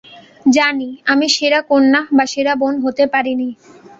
জানি আমি সেরা কন্যা বা সেরা বোন হতে পারিনি।